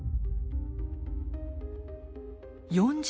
４０